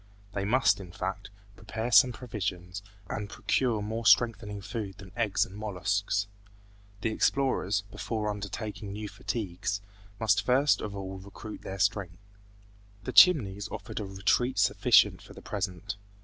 They must, in fact, prepare some provisions and procure more strengthening food than eggs and molluscs. The explorers, before undertaking new fatigues, must first of all recruit their strength. The Chimneys offered a retreat sufficient for the present.